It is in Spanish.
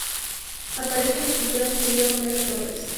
Aparece en las pinturas de Julio Romero de Torres.